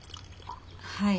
はい。